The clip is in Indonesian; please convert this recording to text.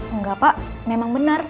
enggak pak memang bener